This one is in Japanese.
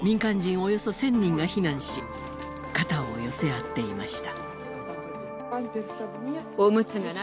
およそ１０００人が避難し、肩を寄せ合っていました。